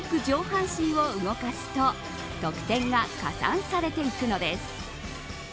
上半身を動かすと得点が加算されていくのです。